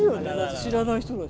知らない人だし。